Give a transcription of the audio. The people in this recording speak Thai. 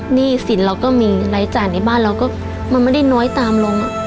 หนี้สินเราก็มีรายจ่ายในบ้านเราก็มันไม่ได้น้อยตามลง